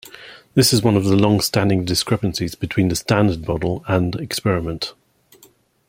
This is one of the long-standing discrepancies between the Standard Model and experiment.